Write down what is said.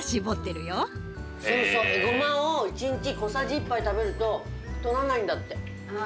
ごまを１日小さじ１杯食べると太らないんだって。